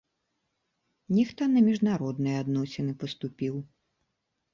Нехта на міжнародныя адносіны паступіў.